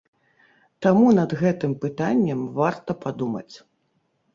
Таму над гэтым пытаннем варта падумаць.